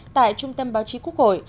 tại trung tâm báo chí quốc hội